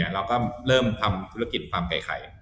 เราก็เริ่มทำธุรกิจฟาร์มไก่ไข่